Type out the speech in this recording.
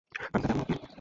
আমি তাদের মত নই।